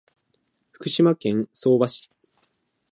福島県相馬市